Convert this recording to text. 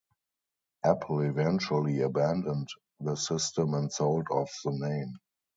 Apple eventually abandoned the system and sold off the name.